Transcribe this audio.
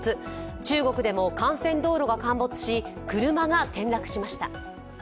中国でも幹線道路が陥没し車が転落しました。